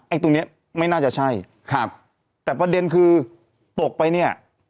ตรงเนี้ยไม่น่าจะใช่ครับแต่ประเด็นคือตกไปเนี่ย